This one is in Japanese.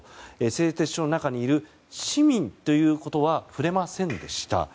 製鉄所の中にいる市民ということは触れませんでした。